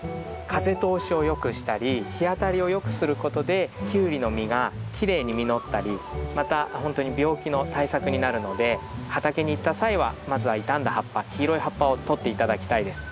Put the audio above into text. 風通しをよくしたり日当たりをよくすることでキュウリの実がきれいに実ったりまたほんとに病気の対策になるので畑に行った際はまずは傷んだ葉っぱ黄色い葉っぱをとって頂きたいです。